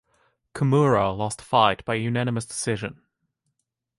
Kumura lost the fight by unanimous decision.